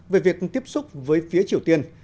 về việc tiếp xúc với phía triều tiên